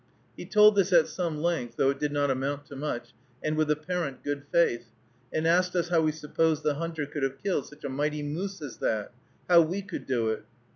He told this at some length, though it did not amount to much, and with apparent good faith, and asked us how we supposed the hunter could have killed such a mighty moose as that, how we could do it.